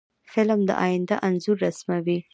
فلم د آینده انځور رسموي